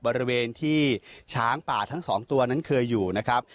บริเวณที่ช้างป่าทั้งสองตัวนั้นเคยอยู่นะครับ